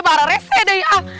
barang rese deh ya